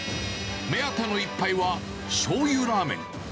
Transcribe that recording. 目当ての一杯は、しょうゆラーメン。